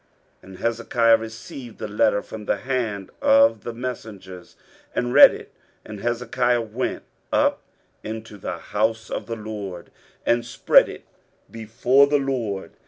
23:037:014 And Hezekiah received the letter from the hand of the messengers, and read it: and Hezekiah went up unto the house of the LORD, and spread it before the LORD.